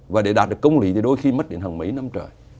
và để đạt được công lý thì đôi khi mất đến hàng mấy năm trời